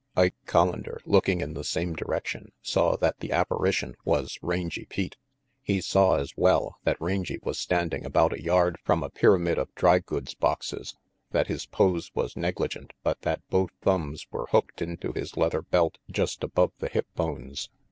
Ike Collander, looking in the same direction, sa\v that the apparition was Rangy Pete. He saw, as well, that Rangy was standing about a yard from a pyramid of dry goods boxes, that his pose was negligent, but that both thumbs were hooked into his leather belt just above the hip bones.